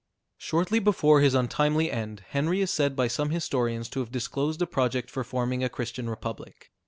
Shortly before his untimely end, Henry is said by some historians to have disclosed a project for forming a Christian republic.